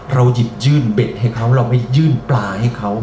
เราหยิบยื่นเบ็ดให้เขาเราไปยื่นปลาให้เขา